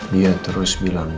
dia terus bilang